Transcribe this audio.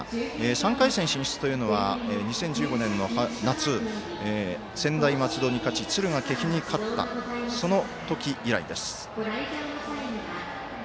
３回戦進出というのは２０１５年の夏専大松戸に勝ち敦賀気比に勝ったその時以来です。